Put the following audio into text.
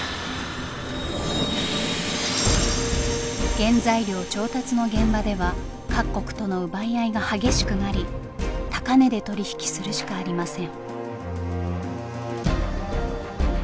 原材料調達の現場では各国との奪い合いが激しくなり高値で取り引きするしかありません。